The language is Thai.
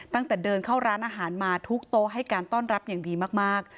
ตั้งแต่เดินเข้าร้านอาหารมาทุกโต๊ะให้การต้อนรับอย่างดีมาก